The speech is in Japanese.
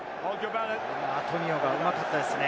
アトニオがうまかったですね。